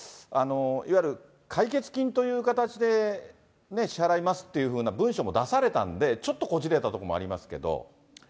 いわゆる解決金という形で支払いますというような文書も出されたんで、ちょっとこじれたところもありますけど。